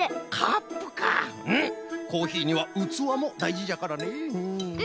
コーヒーにはうつわもだいじじゃからね。